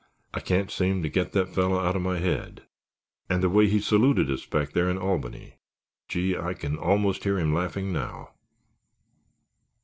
"I can't seem to get that fellow out of my head—and—and the way he saluted us back there in Albany. Gee, I can almost hear him laughing now."